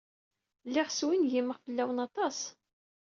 Lliɣ swingimeɣ fell-awen aṭas.